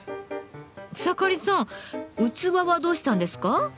草刈さん器はどうしたんですか？